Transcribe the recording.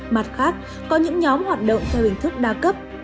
mặt khác có những nhóm hoạt động theo hình thức đa cấp